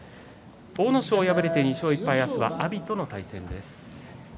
阿武咲は敗れて２勝１敗明日は阿炎との対戦です。